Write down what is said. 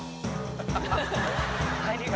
「入りが」